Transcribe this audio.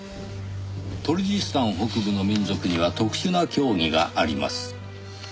トルジスタン北部の民族には特殊な教義があります。